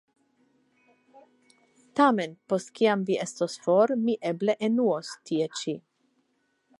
Tamen, post kiam vi estos for, mi eble enuos tie ĉi.